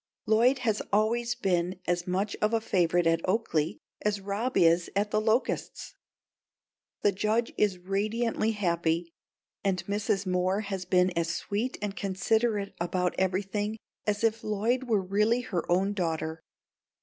Lloyd has always been as much of a favourite at Oaklea as Rob is at The Locusts. The Judge is radiantly happy and Mrs. Moore has been as sweet and considerate about everything as if Lloyd were really her own daughter.